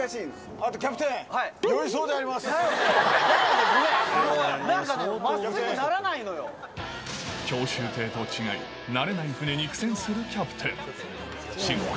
あと、キャプテン、酔いそうなんかね、まっすぐならない教習艇と違い、慣れない船に苦戦するキャプテン。